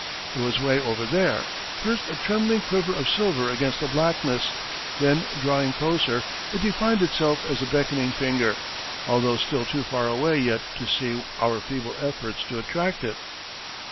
It was way over there first a trembling quiver of silver against the blackness; then, drawing closer, it defined itself as a beckoning finger, altho still too far away yet to see our feeble efforts to attract it....